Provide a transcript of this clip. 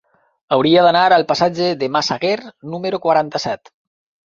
Hauria d'anar al passatge de Massaguer número quaranta-set.